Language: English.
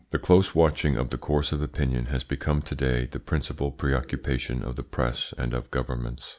The close watching of the course of opinion has become to day the principal preoccupation of the press and of governments.